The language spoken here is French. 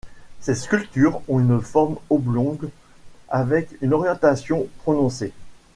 Ces structures ont une forme oblongue, avec une orientation prononcée.